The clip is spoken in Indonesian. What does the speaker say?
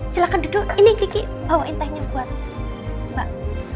silahkan duduk ini gigi bawain tehnya buat mbak